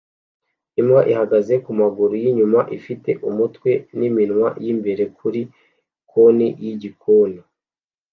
Imbwa ihagaze kumaguru yinyuma ifite umutwe niminwa yimbere kuri konti yigikoni